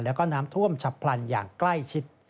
แล้วก็น้ำท่วมฉับพลันอย่างใกล้ชิด